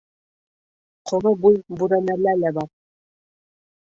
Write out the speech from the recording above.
Ҡоро буй бүрәнәлә лә бар.